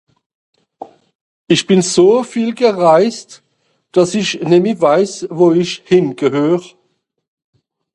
Isch bin so viel gereist, dass i nemme weiss, wo isch hingehöre